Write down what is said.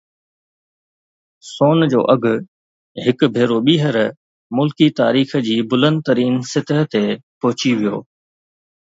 سون جو اگهه هڪ ڀيرو ٻيهر ملڪي تاريخ جي بلند ترين سطح تي پهچي ويو